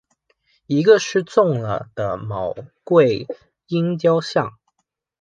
一个失纵了的昴贵鹰雕像。